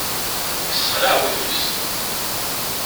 Yessexlaɛ wudem-is.